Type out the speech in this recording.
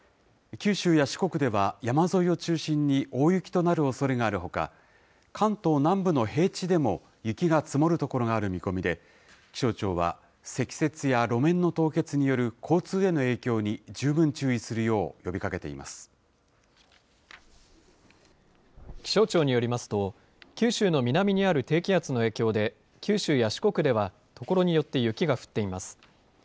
九州や四国では、山沿いを中心に大雪となるおそれがあるほか、関東南部の平地でも、雪が積もる所がある見込みで、気象庁は積雪や路面の凍結による交通への影響に十分注意するよう気象庁によりますと、九州の南にある低気圧の影響で、九州や四国では所によって雪が降っています。